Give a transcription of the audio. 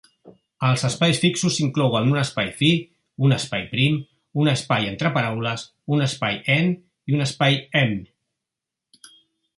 Els espais fixos inclouen un espai fi, un espai prim, un espai entre paraules, un espai en i un espai em.